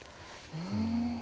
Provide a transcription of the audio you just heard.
うん。